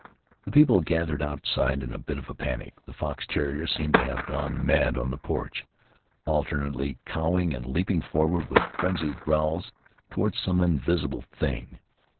The people gathered outside in a bit of a panic; the fox terrier seemed to have gone mad on the porch — alternately cowing and leaping forward with frenzied growls toward some invisible thing.